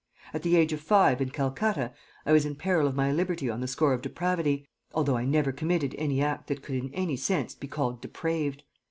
At the age of five, in Calcutta, I was in peril of my liberty on the score of depravity, although I never committed any act that could in any sense be called depraved.